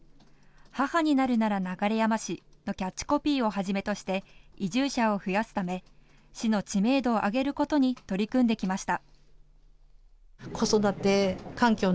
「母になるなら、流山市。」のキャッチコピーをはじめとして移住者を増やすため市の知名度を上げることに取り組んできました。